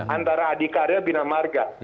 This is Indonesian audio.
antara adhikarya dan binamarga